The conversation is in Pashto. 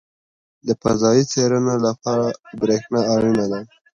• د فضایي څېړنو لپاره برېښنا اړینه ده.